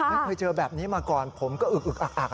ไม่เคยเจอแบบนี้มาก่อนผมก็อึกอึกอักอัก